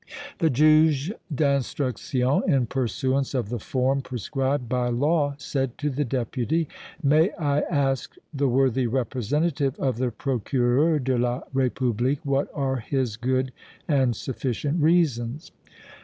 The Juge d' Instruction, in pursuance of the form prescribed by law, said to the Deputy: "May I ask the worthy representative of the Procureur de la République what are his good and sufficient reasons?"